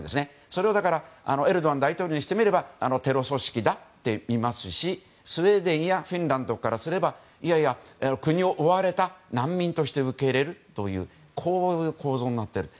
それは、だからエルドアン大統領にしてみればテロ組織だって見ますしスウェーデンやフィンランドからすればいやいや国を追われた難民として受け入れるという構造になっている。